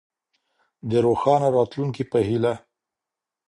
د روښانه راتلونکي په هيله.